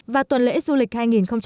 và tuần lễ du lịch hai nghìn một mươi bảy